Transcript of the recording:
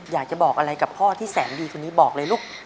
อยากจะบอกอะไรกับพ่อที่แสนดีคนนี้บอกเลยลูก